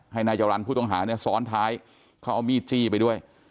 ให้นายจรรย์ผู้ต้องหาเนี่ยซ้อนท้ายเขาเอามีดจี้ไปด้วย